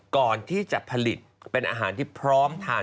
ก่อนที่จะผลิตเป็นอาหารที่พร้อมทาน